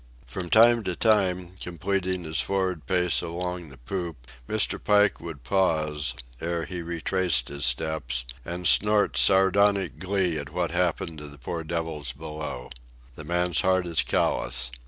From time to time, completing his for'ard pace along the poop, Mr. Pike would pause, ere he retraced his steps, and snort sardonic glee at what happened to the poor devils below. The man's heart is callous.